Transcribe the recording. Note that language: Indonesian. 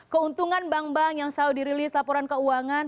keuntungan bank bank yang selalu dirilis laporan keuangan